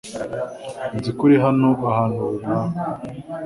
Nzi ko uri hano ahantu runaka .